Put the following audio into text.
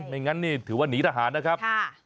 ไม่งั้นนี่ถือว่าหนีทหารนะครับ